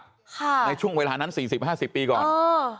ในช่วงเวลานั้น๔๐๕๐ปีก่อน